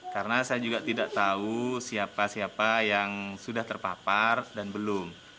karena saya juga tidak tahu siapa siapa yang sudah terpapar dan belum